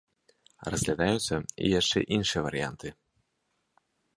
Разглядаюцца і яшчэ іншыя варыянты.